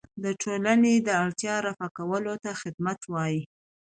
د ټولنې د اړتیاوو رفع کولو ته خدمت وایي.